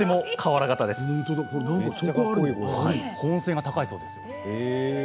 保温性が高いと評判です。